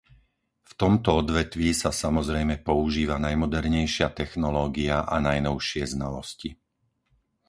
V tomto odvetví sa samozrejme používa najmodernejšia technológia a najnovšie znalosti.